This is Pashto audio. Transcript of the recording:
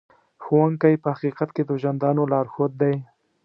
ښوونکی په حقیقت کې د ژوندانه لارښود دی.